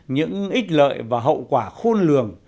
những ít lợi và hậu quả khôn lường